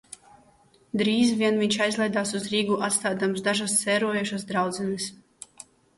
"Drīz vien viņš aizlaidās uz Rīgu atstādams dažas "sērojošas draudzenes"."